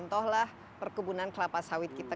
walaupun ada beberapa beberapa perertian